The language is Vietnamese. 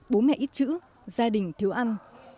bố mẹ ít chữ gia đình thiếu ăn